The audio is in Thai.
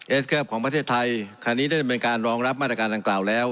เอสเกอร์ฟของประเทศไทยคันนี้ได้เป็นการรองรับมาตรการดังกล่าวแล้ว